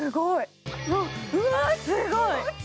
うわ、すごい。